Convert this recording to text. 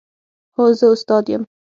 هو، زه استاد یم